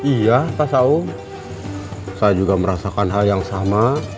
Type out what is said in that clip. iya pak saung saya juga merasakan hal yang sama